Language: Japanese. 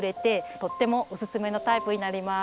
とってもおすすめのタイプになります。